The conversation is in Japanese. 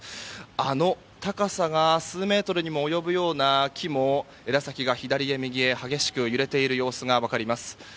あの高さが数メートルにも及ぶような木も枝先が左へ右へ激しく揺れている様子が分かります。